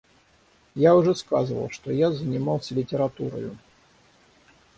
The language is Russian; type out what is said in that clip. Я уже сказывал, что я занимался литературою.